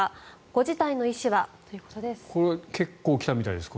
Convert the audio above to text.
ご辞退の意思は？ということです。